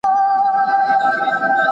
د ژوند حق د ټولو حقونو سرچینه ده.